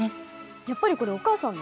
やっぱりこれお母さんの？